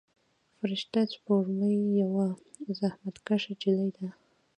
فرشته سپوږمۍ یوه زحمت کشه نجلۍ ده.